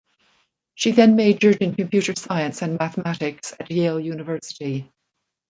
She then majored in computer science and mathematics at Yale University.